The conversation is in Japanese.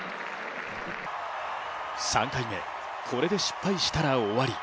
３回目、これで失敗したら終わり。